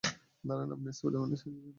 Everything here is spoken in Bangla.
দাঁড়ান, আপনি স্পাইডার-ম্যানের সাহায্য চান?